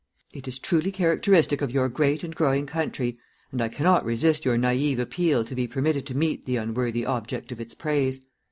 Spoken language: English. It is truly characteristic of your great and growing country, and I cannot resist your naïve appeal to be permitted to meet the unworthy object of its praise.